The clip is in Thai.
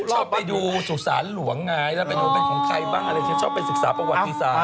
ชอบไปดูสุสานหลวงไงแล้วเป็นของใครบ้างชอบไปศึกษาประวัติศาสตร์